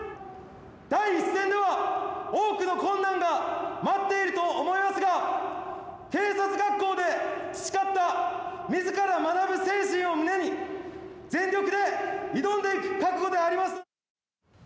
第一線では多くの困難が待っていると思いますが警察学校で培ったみずから学ぶ精神を胸に全力で挑んでいく覚悟であります。